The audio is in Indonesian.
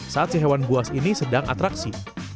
saat si hewan buas ini sedang atraksi